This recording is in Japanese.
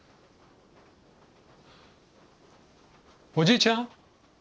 おじいちゃん？